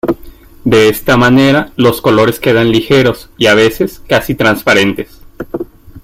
De esta manera los colores quedan ligeros y a veces casi transparentes.